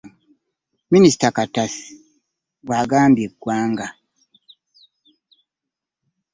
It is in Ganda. Minisita Kabatsi bw'agambye eggwanga.